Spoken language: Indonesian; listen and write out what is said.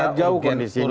sangat jauh kondisinya